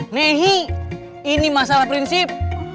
nehi ini masalah prinsip